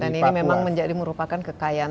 dan ini memang menjadi merupakan kekayaan